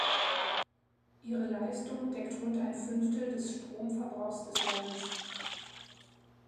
Ihre Leistung deckt rund ein Fünftel des Stromverbrauchs des Landes.